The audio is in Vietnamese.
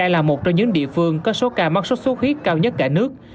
đại gia là một trong những địa phương có số ca mắc xuất xuất huyết cao nhất cả nước